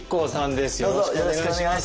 よろしくお願いします。